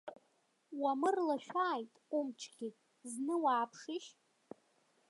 Уамырлашәааит умчгьы, зны уааԥшишь.